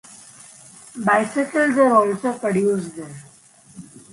Bicycles are also produced there.